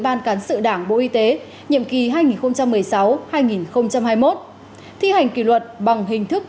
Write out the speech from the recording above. ban cán sự đảng bộ y tế nhiệm kỳ hai nghìn một mươi sáu hai nghìn hai mươi một thi hành kỷ luật bằng hình thức